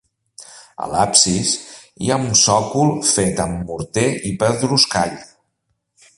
A l'absis hi ha un sòcol fet amb morter i pedruscall.